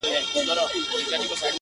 • د ځنګله پاچا په ځان پوري حیران وو ,